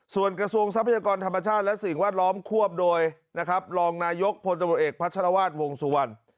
ส่วนกระทรวงทรัพยากรธรรมชาติและสิ่งแวดล้อมควบโดยนะครับรองนายกพลตำรวจเอกพัชรวาสวงสุวรรณ